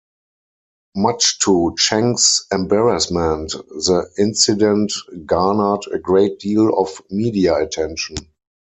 Much to Cheng's embarrassment, the incident garnered a great deal of media attention.